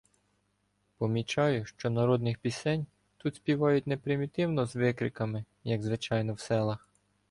Помічаю, що народних пісень тут співають не примітивно, з викриками, як звичайно в селах.